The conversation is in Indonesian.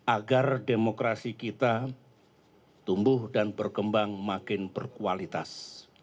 agar demokrasi kita tumbuh dan berkembang makin berkualitas